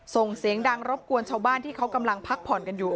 ส่งเสียงดังรบกวนชาวบ้านที่เขากำลังพักผ่อนกันอยู่